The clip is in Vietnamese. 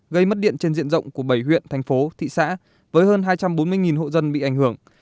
gây mất điện trên diện rộng của bảy huyện thành phố thị xã với hơn hai trăm bốn mươi hộ dân bị ảnh hưởng